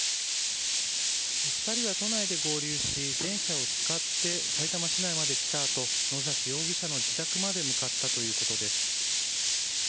２人は都内で合流し電車を使ってさいたま市内まで来たあと野崎容疑者の自宅まで向かったということです。